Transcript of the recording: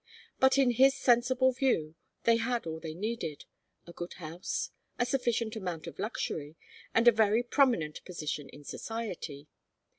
But in his sensible view, they had all they needed, a good house, a sufficient amount of luxury, and a very prominent position in society.